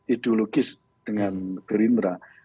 ideologis dengan gerindra